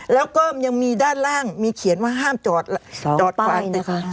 แล้วก็มันมีด้านล่างมีเขียนว่าห้ามจอดไฟนะคะ